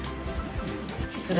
失礼。